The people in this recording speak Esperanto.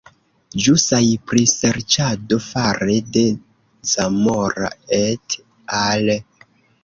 Ĵusaj priserĉado fare de Zamora "et al.